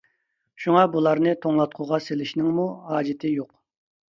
شۇڭا بۇلارنى توڭلاتقۇغا سېلىشنىڭمۇ ھاجىتى يوق.